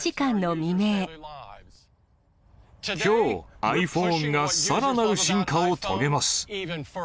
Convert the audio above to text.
きょう、ｉＰｈｏｎｅがさらなる進化を遂げます。